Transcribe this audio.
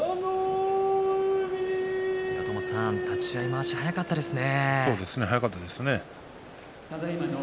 岩友さん、立ち合いまわし速かったですね。